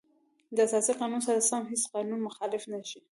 د اساسي قانون سره سم هیڅ قانون مخالف نشي.